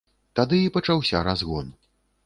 Тады і пачаўся разгон.